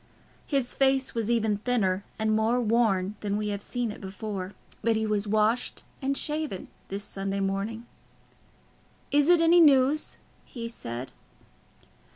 His face was even thinner and more worn than we have seen it before, but he was washed and shaven this Sunday morning. "Is it any news?" he said.